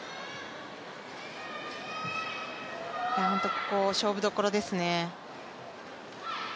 ここ勝負どころですね。